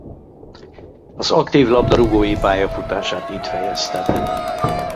Az aktív labdarúgói pályafutását itt fejezte be.